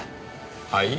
はい？